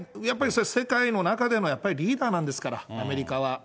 やっぱり世界の中での、やっぱりリーダーなんですから、アメリカは。